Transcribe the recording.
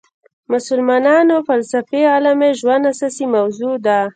مسلمانانو فلسفي کلامي ژوند اساسي موضوع ده.